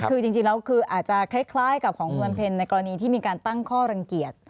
คือจริงแล้วคืออาจจะคล้ายกับของคุณวันเพ็ญในกรณีที่มีการตั้งข้อรังเกียจ